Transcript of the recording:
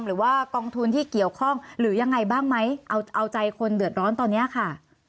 หรือว่ากองทุนที่เกี่ยวข้องหรือยังไงบ้างไหมเอาใจคนเดือดร้อนตอนนี้ค่ะ